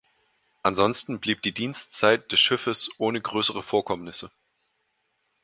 Ansonsten blieb die Dienstzeit des Schiffes ohne größere Vorkommnisse.